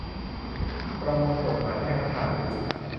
ประมวลกฎหมายแพ่งและพาณิชย์